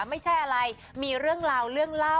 ไม่ใช่อะไรมีเรื่องราวเรื่องเล่า